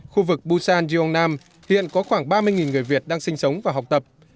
khu vực busan gyeongnam hiện có khoảng ba mươi người việt đang sinh sống và học tập